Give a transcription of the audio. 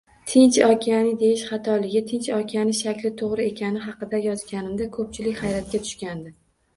Tinch okeani deyish xatoligi, Tinch okean shakli toʻgʻri ekani haqida yozganimda koʻpchilik hayratga tushgandi